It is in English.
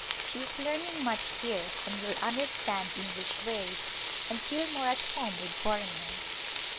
She is learning much here and will under stand English ways and feel more at home with for eigners.